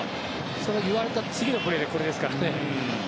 その言われた次のプレーでこれですからね。